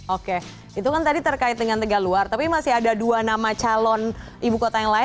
oke itu kan tadi terkait dengan tegaluar tapi masih ada dua nama calon ibu kota yang lain